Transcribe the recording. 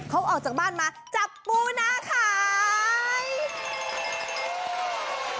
เขาออกจากบ้านมาจับปูนาขาย